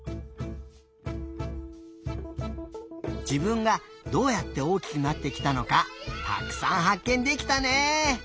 自分がどうやって大きくなってきたのかたくさんはっけんできたね！